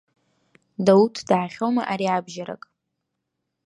Дауҭ даахьоума ариабжьарак?